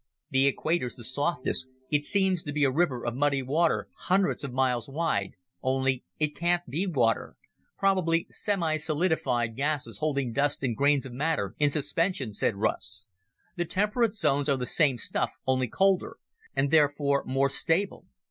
"The equator's the softest it seems to be a river of muddy water, hundreds of miles wide only it can't be water. Probably semisolidified gases holding dust and grains of matter in suspension," said Russ. "The temperate zones are the same stuff, only colder, and therefore more stable.